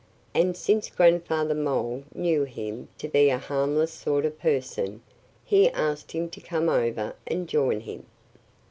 And since Grandfather Mole knew him to be a harmless sort of person he asked him to come over and join him.